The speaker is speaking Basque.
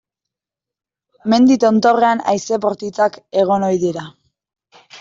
Mendi tontorrean haize bortitzak egon ohi dira.